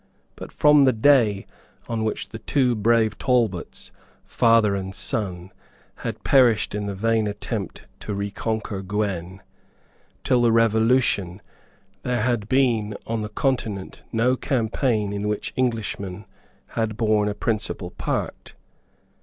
But from the day on which the two brave Talbots, father and son, had perished in the vain attempt to reconquer Guienne, till the Revolution, there had been on the Continent no campaign in which Englishmen had borne a principal part.